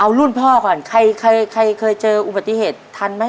เอารุ่นพ่อก่อนใครใครเคยเจออุบัติเหตุทันไหม